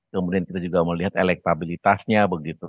kemudian kita juga melihat elektabilitasnya begitu